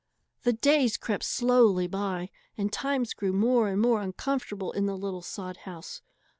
The days crept slowly by, and times grew more and more uncomfortable in the little sod house.